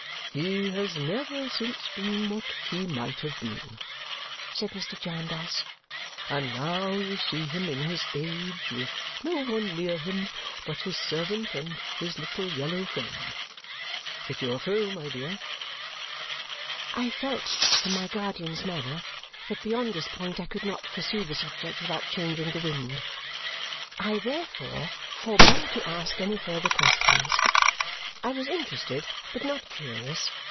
"He has never since been what he might have been," said Mr. Jarndyce, "and now you see him in his age with no one near him but his servant and his little yellow friend. It's your throw, my dear!" I felt, from my guardian's manner, that beyond this point I could not pursue the subject without changing the wind. I therefore forbore to ask any further questions. I was interested, but not curious.